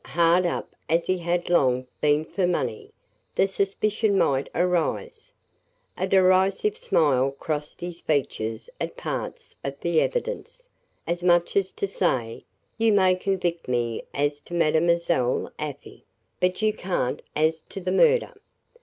Hard up as he had long been for money, the suspicion might arise. A derisive smile crossed his features at parts of the evidence, as much as to say, "You may convict me as to Mademoiselle Afy, but you can't as to the murder."